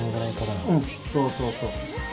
うんそうそうそう。